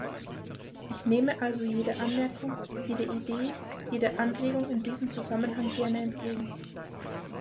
Ich nehme also jede Anmerkung, jede Idee, jede Anregung in diesem Zusammenhang gern entgegen.